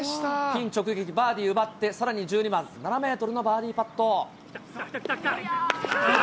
ピン直撃、バーディー奪って、さらに１２番、７メートルのバーディーパット。